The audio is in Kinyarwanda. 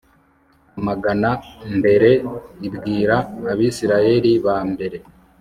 amagana mbere ibwira abisirayeli ba mbere